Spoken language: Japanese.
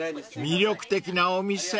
［魅力的なお店］